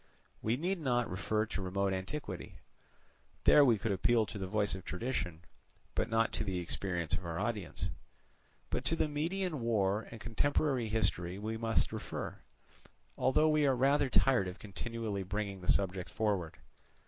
We need not refer to remote antiquity: there we could appeal to the voice of tradition, but not to the experience of our audience. But to the Median War and contemporary history we must refer, although we are rather tired of continually bringing this subject forward.